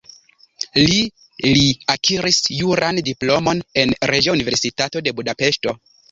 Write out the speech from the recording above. Li li akiris juran diplomon en Reĝa Universitato de Budapeŝto.